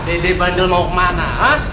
dede bandil mau kemana